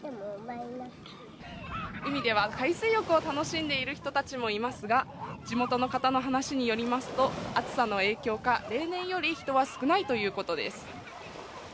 海では海水浴を楽しんでいる人たちもいますが、地元の方の話によりますと、暑さの影響か例年より人は少ないということです。